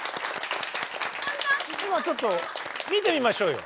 今ちょっと見てみましょうよ。